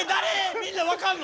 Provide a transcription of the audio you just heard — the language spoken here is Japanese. みんな分かんの？